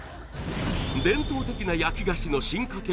伝統的な焼き菓子の進化形